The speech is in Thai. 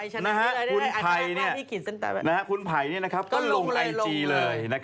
จืมตรงไหน